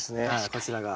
こちらが。